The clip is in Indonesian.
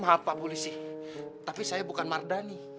maaf pak polisi tapi saya bukan mardani